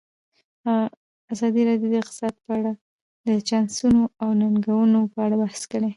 ازادي راډیو د اقتصاد په اړه د چانسونو او ننګونو په اړه بحث کړی.